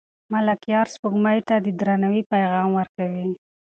ملکیار سپوږمۍ ته د درناوي پیغام ورکوي.